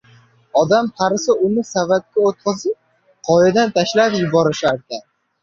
odam qarisa, uni savatga o‘tqizib, qoyadan tashlab yuborisharkan.